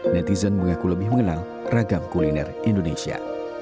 netizen mengaku lebih mengenal ragam kuliner indonesia